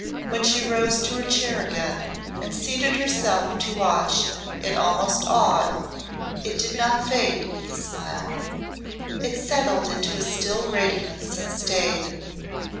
When she rose to her chair again and seated herself to watch it almost awed, it did not fade the smile. It settled into a still radiance and stayed.